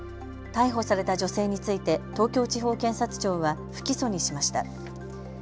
逮捕された女性について東京地方検察庁は不起訴にしました。